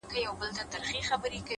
څه ويلاى نه سم!